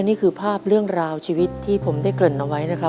นี่คือภาพเรื่องราวชีวิตที่ผมได้เกริ่นเอาไว้นะครับ